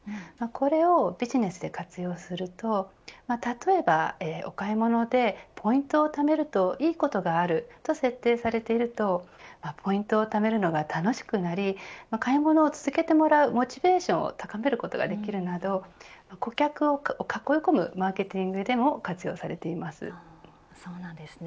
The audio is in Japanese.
これをビジネスで活用すると例えば、お買い物でポイントを貯めるといいことがあると設定されているとポイントを貯めるのが楽しくなり買い物を続けてもらうモチベーションを高めることができるなど顧客を囲い込むマーケティングでも活用されています。